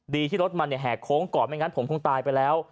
ที่รถมันแห่โค้งก่อนไม่งั้นผมคงตายไปแล้ว